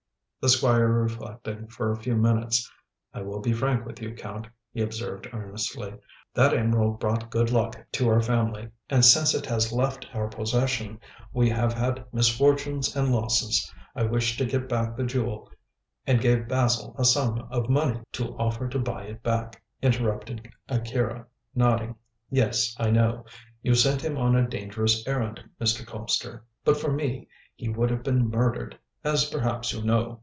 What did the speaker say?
The Squire reflected for a few minutes. "I will be frank with you, Count," he observed earnestly. "That emerald brought good luck to our family, and since it has left our possession, we have had misfortunes and losses. I wished to get back the jewel and gave Basil a sum of money to " "To offer to buy it back," interrupted Akira, nodding. "Yes, I know. You sent him on a dangerous errand, Mr. Colpster. But for me he would have been murdered, as perhaps you know."